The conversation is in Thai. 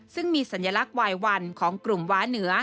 ซึ่งมีสัญลักษณ์วายวันของกลุ่มว้าเหนือ